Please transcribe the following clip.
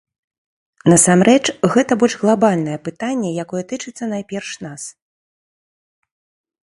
Насамрэч, гэта больш глабальнае пытанне, якое тычыцца, найперш, нас.